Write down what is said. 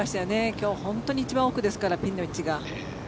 今日本当に一番奥ですからピンの位置が。